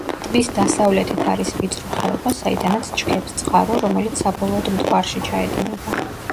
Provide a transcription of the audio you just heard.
ტბის დასავლეთით არის ვიწრო ხეობა, საიდანაც ჩქეფს წყარო, რომელიც საბოლოოდ მტკვარში ჩაედინება.